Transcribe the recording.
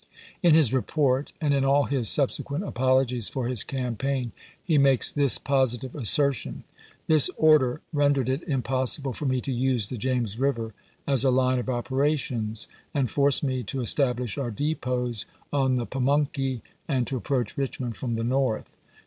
In his report, and in all his subsequent apologies for his campaign, he makes this positive assertion; " This order rendered it impossible for me to use the James River as a line of operations, and forced me to establish our depots on the Pamunkey and P.M.' to approach Richmond from the north."'